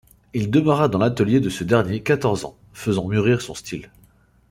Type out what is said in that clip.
Il demeura dans l'atelier de ce dernier quatorze ans, faisant mûrir son style.